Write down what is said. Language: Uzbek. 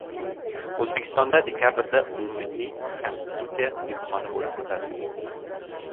O‘zbekistonda dekabrda umummilliy Konstitutsiya imtihoni bo‘lib o‘tadi